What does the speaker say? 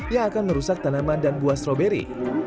yang akan merusak tanaman dan buah stroberi